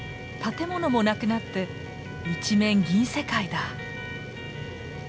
建物もなくなって一面銀世界だ！